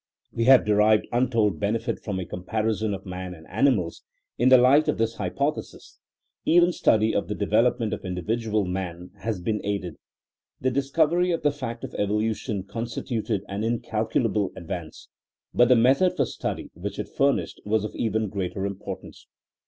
We have derived untold benefit from a comparison of man and animals in the light of this hypoth THINEINa AS A SCIENOE 25 esis ; even study of the development of individ ual man has been aided. The discovery of the fact of evolution constituted an incalculable ad vance, but the method for study which it fur nished was of even greater importance.